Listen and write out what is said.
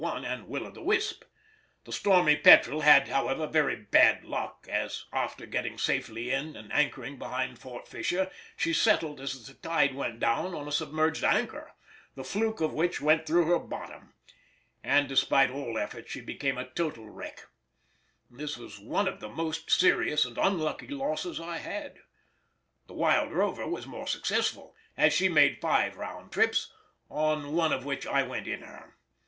1 and Will o' the Wisp. The Stormy Petrel had, however, very bad luck, as after getting safely in and anchoring behind Fort Fisher she settled as the tide went down on a submerged anchor, the fluke of which went through her bottom, and despite all efforts she became a total wreck: this was one of the most serious and unlucky losses I had. The Wild Rover was more successful, as she made five round trips, on one of which I went in her.